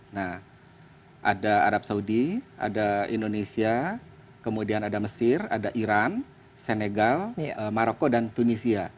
nah ada arab saudi ada indonesia kemudian ada mesir ada iran senegal maroko dan tunisia